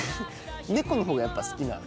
猫のほうがやっぱ好きなの？